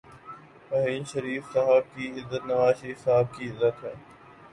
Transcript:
راحیل شریف صاحب کی عزت نوازشریف صاحب کی عزت ہے۔